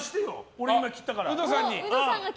俺、今切ったから。